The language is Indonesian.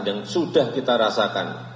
dan sudah kita rasakan